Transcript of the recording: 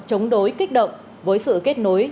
chống đối kích động với sự kết nối